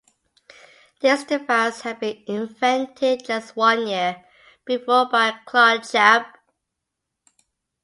This device had been invented just one year before by Claude Chappe.